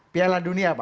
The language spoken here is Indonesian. piala dunia pak